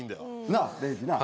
なあ礼二なあ？